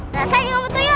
rasain sama tuju